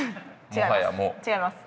違います。